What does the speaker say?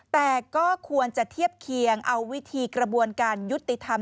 แต่ก็ควรจะเทียบเคียงเอาวิธีกระบวนการยุติธรรม